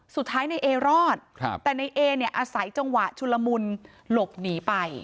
สุดท้ายในเอรอดแต่ในเอเนี่ยอาศัยจังหวะชุลมุนหลบหนีไป